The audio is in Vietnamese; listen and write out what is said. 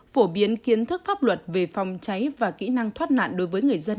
phổ biến kiến thức pháp luật về phòng cháy và kỹ năng thoát nạn đối với người dân